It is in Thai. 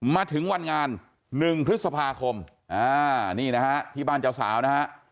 มาถึงวันงาน๑พฤษภาคมนี่นะฮะที่บ้านเจ้าสาวนะฮะ